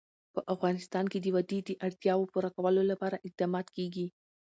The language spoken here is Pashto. په افغانستان کې د وادي د اړتیاوو پوره کولو لپاره اقدامات کېږي.